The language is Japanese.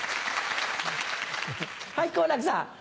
はい好楽さん。